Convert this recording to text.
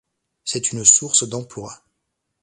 C'est une source d'emploi.